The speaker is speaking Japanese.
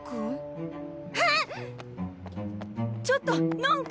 ちょっとのん君！